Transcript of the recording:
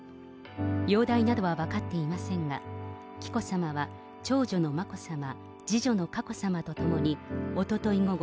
容体などは分かっていませんが、紀子さまは、長女の眞子さま、次女の佳子さまと共に、おととい午後、